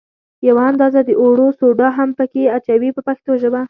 یوه اندازه د اوړو سوډا هم په کې اچوي په پښتو ژبه.